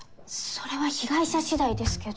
それは被害者しだいですけど。